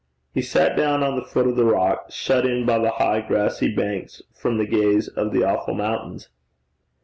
He sat down on the foot of the rock, shut in by the high grassy banks from the gaze of the awful mountains.